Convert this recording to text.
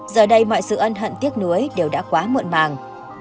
giờ đây mọi sự ân hận tiếc nuối đều đã quá muộn màng